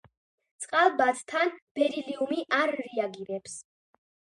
წყალბადთან ბერილიუმი არ რეაგირებს.